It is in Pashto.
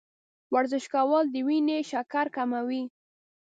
ورزش کول د وینې شکر کموي.